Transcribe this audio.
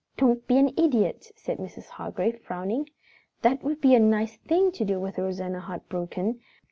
"Don't be an idiot!" said Mrs. Hargrave, frowning. "That would be a nice thing to do with Rosanna heartbroken.